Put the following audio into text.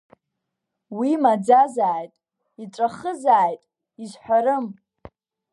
Уи маӡазааит, иҵәахызааит, исҳәарым…